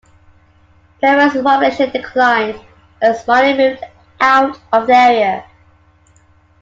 Peoria's population declined as mining moved out of the area.